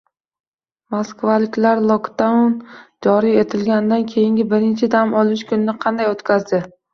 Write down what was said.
Moskvaliklar lokdaun joriy etilganidan keyingi birinchi dam olish kunini qanday o‘tkazdi?